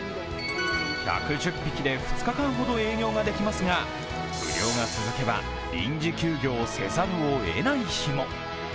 １１０匹で２日間ほど営業ができますが、不漁が続けば臨時休業せざるをえない日も。